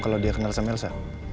kalau dia kenal sama elsa